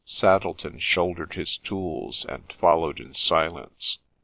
Saddleton shouldered his tools, and followed in silence.